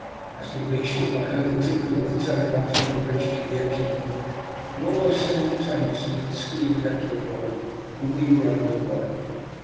As we reached it I heard the tinkle of the telegraph from the bridge to the engine room, and almost simultaneously the screw began to revolve and we were under way.